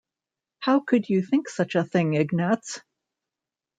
How could you think such a thing, Ignatz?